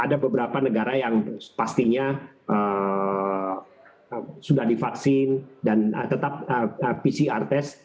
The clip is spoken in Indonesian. ada beberapa negara yang pastinya sudah divaksin dan tetap pcr test